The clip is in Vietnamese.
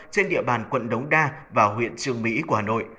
trên địa bàn quận đống đa và huyện trường mỹ của hà nội